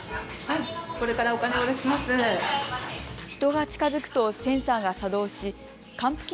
人が近づくとセンサーが作動し還付金